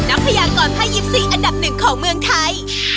นักพยากรภายริปทรีย์อันดับหนึ่งของเมืองไทย